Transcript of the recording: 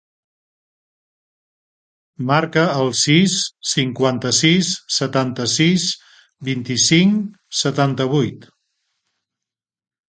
Marca el sis, cinquanta-sis, setanta-sis, vint-i-cinc, setanta-vuit.